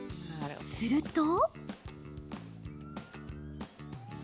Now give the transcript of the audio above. すると。